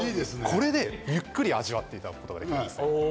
これで、ゆっくり味わっていただくことができます。